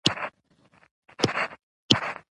څه فرخار لره وردرومم